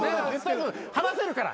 話せるから。